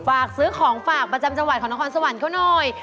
ฝากซื้อของฝากประจำจังหวัดของนครสวรรค์เขาหน่อย